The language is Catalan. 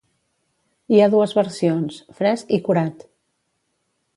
Hi ha dues versions; fresc i curat.